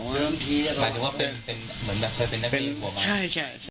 กลายถึงว่าเป็นเป็นเหมือนแบบเคยเป็นนักเรียนหัวใช่ใช่